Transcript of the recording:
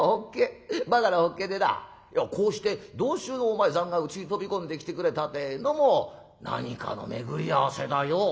いやこうして同宗のお前さんがうちに飛び込んできてくれたってえのも何かの巡り合わせだよ。